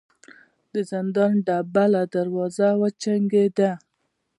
د زندان ډبله دروازه وچونګېده.